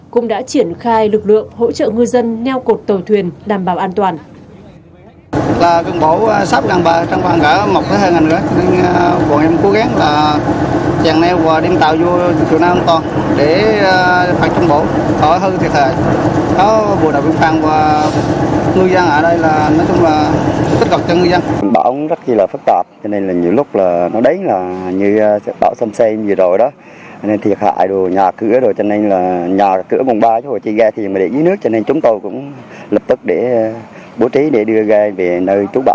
cũng đã triển khai lực lượng hỗ trợ ngư dân neo cột tàu thuyền đảm bảo an toàn